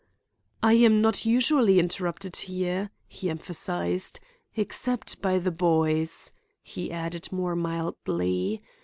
"I am not usually interrupted here," he emphasized; "except by the boys," he added more mildly.